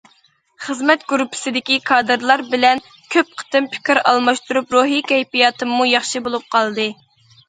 خىزمەت گۇرۇپپىسىدىكى كادىرلار بىلەن كۆپ قېتىم پىكىر ئالماشتۇرۇپ روھىي كەيپىياتىممۇ ياخشى بولۇپ قالدى.